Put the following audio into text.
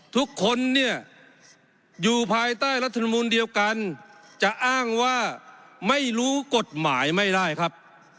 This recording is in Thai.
ทุกคนเนี่ยอยู่ภายใต้รัฐมนูลเดียวกันจะอ้างว่าไม่รู้กฎหมายไม่ได้ครับ